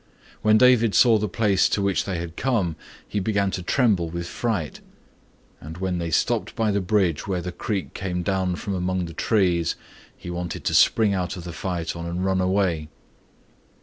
When David saw the place to which they had come he began to tremble with fright, and when they stopped by the bridge where the creek came down from among the trees, he wanted to spring out of the phaeton and run away.